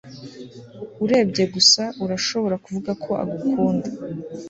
Urebye gusa urashobora kuvuga ko agukunda